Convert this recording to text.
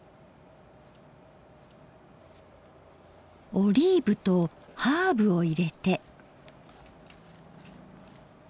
オリーブとハーブを入れて。